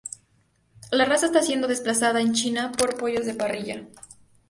La raza está siendo desplazada en China por pollos de parrilla.